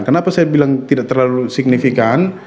kenapa saya bilang tidak terlalu signifikan